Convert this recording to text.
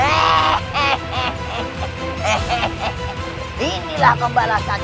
hehehe inilah kebalasannya